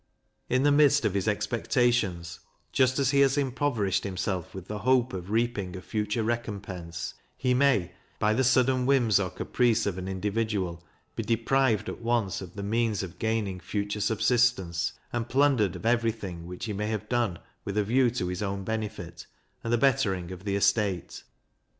In the midst of his expectations, just as he has impoverished himself with the hope of reaping a future recompense, he may, by the sudden whims or caprice of an individual, be deprived at once of the means of gaining future subsistence, and plundered of every thing which he may have done with a view to his own benefit, and the bettering of the estate.